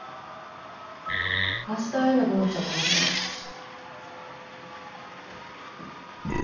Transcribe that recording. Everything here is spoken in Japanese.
明日会えなくなっちゃうかもしれないんだし。